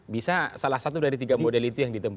bisa salah satu dari tiga model itu yang ditempat